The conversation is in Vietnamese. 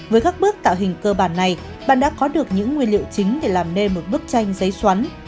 với các bước tạo hình cơ bản này bạn đã có được những nguyên liệu chính để làm nên một bức tranh giấy xoắn